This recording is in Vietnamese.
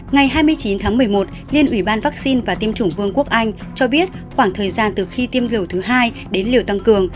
ngày hai mươi chín tháng một mươi một liên ủy ban vaccine và tiêm chủng vương quốc anh cho biết khoảng thời gian từ khi tiêm liều thứ hai đến liều tăng cường